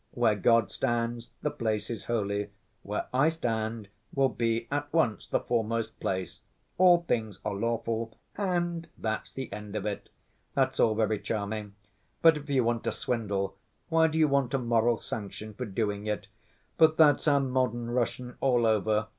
Where God stands, the place is holy. Where I stand will be at once the foremost place ... 'all things are lawful' and that's the end of it! That's all very charming; but if you want to swindle why do you want a moral sanction for doing it? But that's our modern Russian all over.